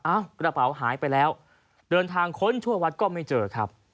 กระเป๋าหายไปแล้วเดินทางค้นชั่ววัดก็ไม่เจอครับ